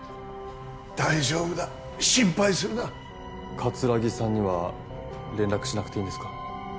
大丈夫だ心配するな桂木さんには連絡しなくていいんですか？